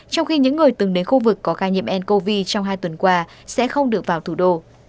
trong khi những người từng đến khu vực có ca nhiễm ncov trong hai tuần qua sẽ không được vào thủ đô